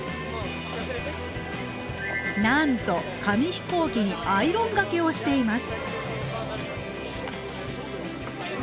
なんと紙飛行機にアイロンがけをしています。